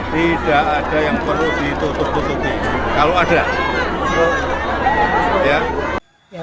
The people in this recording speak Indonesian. tidak ada yang perlu ditutup tutupi kalau ada